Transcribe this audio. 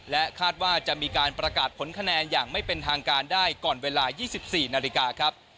และคาดว่าจะมีการประกาศผลคะแนนอย่างไม่เป็นทางการได้ก่อนเวลา๒๔นาฬิกาครับ